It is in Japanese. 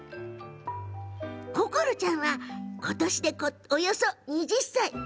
ココロちゃんはことしでおよそ２０歳。